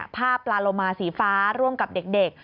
ปลาโลมาสีฟ้าร่วมกับเด็ก